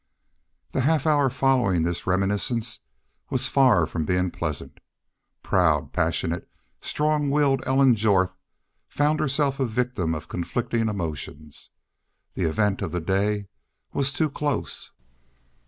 The half hour following this reminiscence was far from being pleasant. Proud, passionate, strong willed Ellen Jorth found herself a victim of conflicting emotions. The event of the day was too close.